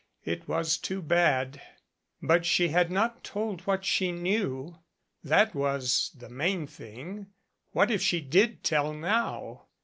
It was too bad. But she had not told what she knew that was the main thing. What if she did tell now?